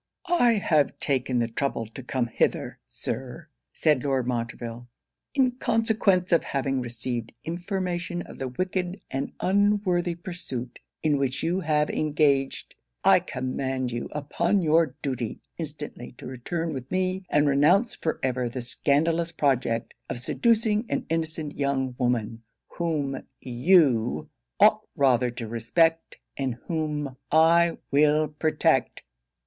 'I have taken the trouble to come hither, Sir,' said Lord Montreville, 'in consequence of having received information of the wicked and unworthy pursuit in which you have engaged. I command you, upon your duty, instantly to return with me, and renounce for ever the scandalous project of seducing an innocent young woman, whom you ought rather to respect and whom I will protect.'